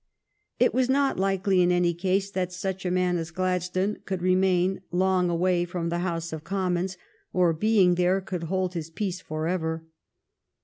It was not likely, in any case, that such a man as Gladstone could remain long away from the 192 THE STORY OF GLADSTONE'S LIFE House of Commons, or, being there, could hold his peace forever.